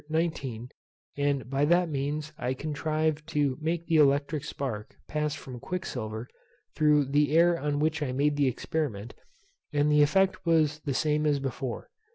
19, and by that means I contrived to make the electric spark pass from quicksilver through the air on which I made the experiment, and the effect was the same as before.